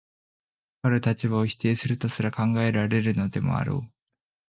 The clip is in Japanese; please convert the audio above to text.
かかる立場を否定するとすら考えられるでもあろう。